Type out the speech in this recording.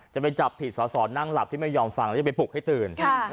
จะไปจับผิดสอสอนั่งหลับที่ไม่ยอมฟังแล้วจะไปปลุกให้ตื่น